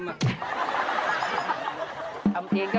ทำเองก็เป็นเพลงอะ